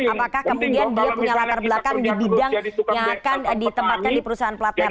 apakah kemudian dia punya latar belakang di bidang yang akan ditempatkan di perusahaan plat merah